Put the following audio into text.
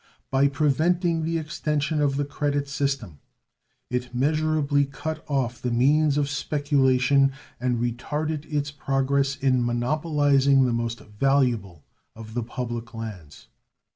By preventing the extension of the credit system it measurably cut off the means of speculation and retarded its progress in monopolizing the most valuable of the public lands.